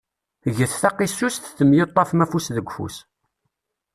Get taqisust temyuṭṭafem afus deg ufus.